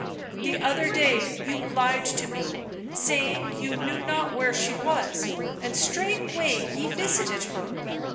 " The other day you lied to me, saying you knew not where she was — and straightway ye visited her."